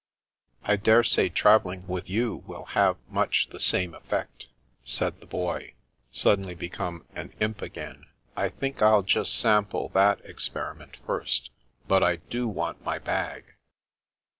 " I dare say travelling about with you will have much the same effect," said the Boy, suddenly be come an imp again. "I think Til just * sample' that experiment first. But I do want my bag."